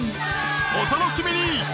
お楽しみに！